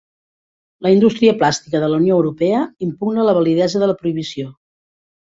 La indústria plàstica de la Unió Europea impugna la validesa de la prohibició.